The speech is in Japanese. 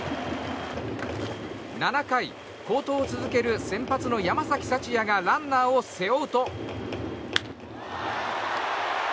７回、好投を続ける先発の山崎福也がランナーを背負うと。